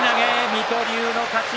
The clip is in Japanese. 水戸龍の勝ち。